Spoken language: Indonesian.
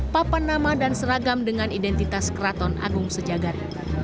papan nama dan seragam dengan identitas keraton agung sejagat